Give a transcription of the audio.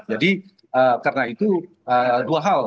jadi karena itu dua hal